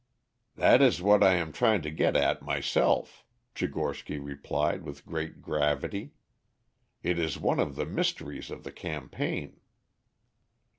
"That is what I am trying to get at myself," Tchigorsky replied with great gravity. "It is one of the mysteries of the campaign."